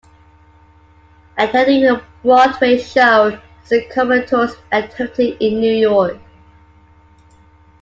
Attending a Broadway show is a common tourist activity in New York.